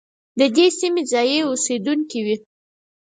د دې سیمې ځايي اوسېدونکي وي.